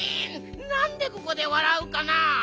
なんでここでわらうかな？